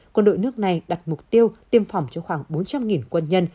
quân đội nước này đặt mục tiêu tiêm phòng cho khoảng bốn trăm linh quân nhân